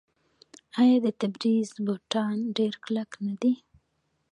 آیا د تبریز بوټان ډیر کلک نه دي؟